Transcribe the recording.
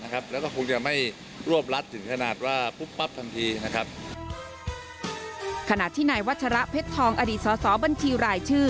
ขณะที่ในวัชระเผ็ดทองอดีตสอบัญชีหลายชื่อ